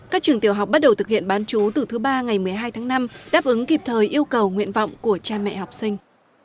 các trường tiểu học bắt đầu thực hiện bán chú từ thứ ba ngày một mươi hai tháng năm đáp ứng kịp thời yêu cầu nguyện vọng của cha mẹ học sinh